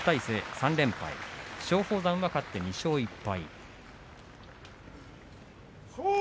３連敗松鳳山は勝って２勝１敗。